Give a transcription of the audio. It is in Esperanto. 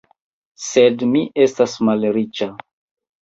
Sed mi estas malriĉa.